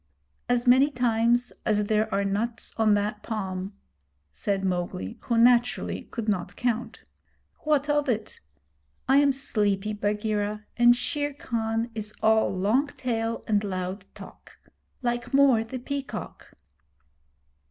'As many times as there are nuts on that palm,' said Mowgli, who, naturally, could not count. 'What of it? I am sleepy, Bagheera, and Shere Khan is all long tail and loud talk like Mor the Peacock.'